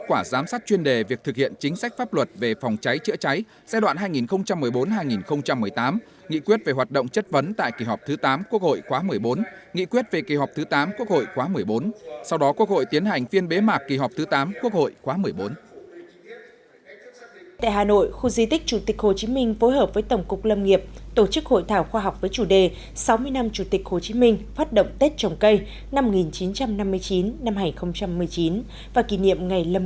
hồ chí minh phát động tết trồng cây một nghìn chín trăm năm mươi chín hai nghìn một mươi chín và kỷ niệm ngày lâm nghiệp việt nam